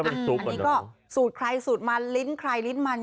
อันนี้ก็สูตรใครสูตรมันลิ้นใครลิ้นมัน